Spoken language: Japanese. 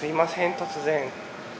突然。